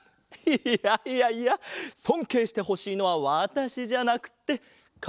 いやいやいやそんけいしてほしいのはわたしじゃなくてかげさ。